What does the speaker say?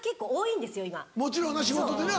もちろんな仕事でな。